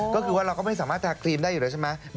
ก็คือว่าเราก็ไม่สามารถทาครีมได้อยู่แล้วใช่ไหม